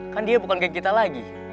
kan dia bukan kayak kita lagi